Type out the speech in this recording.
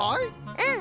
うん。